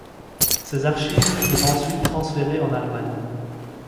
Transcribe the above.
Ces archives furent ensuite transférées en Allemagne.